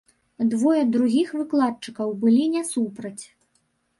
Двое другіх выкладчыкаў былі не супраць.